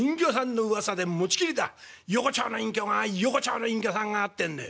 『横町の隠居が横町の隠居さんが』ってんで」。